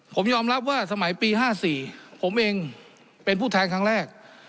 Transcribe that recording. ผมยอมรับว่าสมัยปี๕๔ผมเองเป็นผู้แทนครั้งแรก